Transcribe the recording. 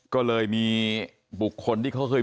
ก็เลยมีบุคคลที่เขาเคย